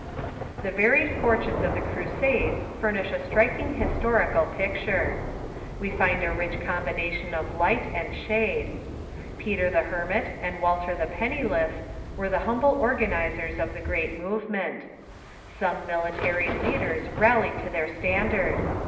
The varied fortunes of the Crusades furnish a striking his torical picture. We find a rich combination of light and Varyinq shade. Peter the Hermit and Walter the Penniless Fortunes were the humble organizers of the great movement, of Crusades g^j^g military leaders rallied to their standard.